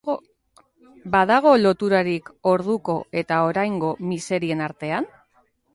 Badago loturarik orduko eta oraingo miserien artean?